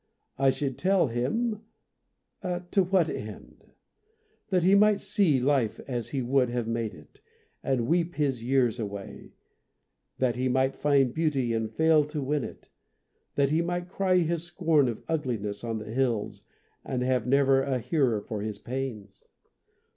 I should tell him To what end? That he might see life as he would have made it, and weep his years away ; that he might find beauty and fail to win it ; that he might cry his scorn of ugliness on the hills and have never a hearer for his pains?